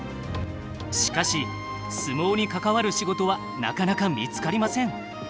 しかし相撲に関わる仕事はなかなか見つかりません。